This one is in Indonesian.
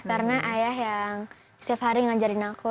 karena ayah yang setiap hari ngajarin aku